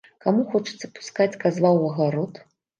Каму хочацца пускаць казла ў агарод?